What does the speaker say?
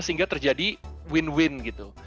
sehingga terjadi win win gitu